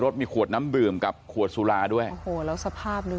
มีขวดน้ำดื่มกับขวดสุราด้วยโอ้โหแล้วสภาพดู